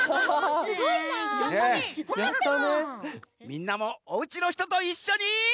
みんなもおうちのひとといっしょに。